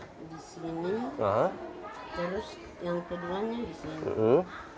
terus di sini terus yang keduanya di sini